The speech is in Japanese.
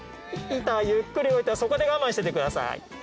板ゆっくり動いたらそこで我慢しててください。